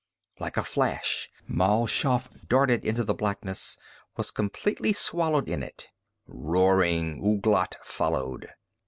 Like a flash Mal Shaff darted into the blackness, was completely swallowed in it. Roaring, Ouglat followed.